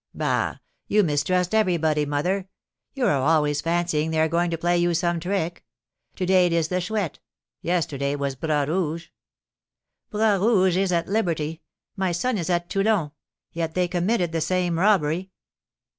"Bah! You mistrust everybody, mother; you are always fancying they are going to play you some trick. To day it is the Chouette, yesterday it was Bras Rouge." "Bras Rouge is at liberty, my son is at Toulon, yet they committed the same robbery."